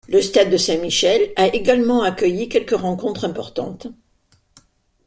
Le stade Saint-Michel a également accueilli quelques rencontres importantes.